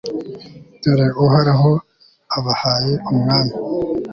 dore uhoraho abahaye umwami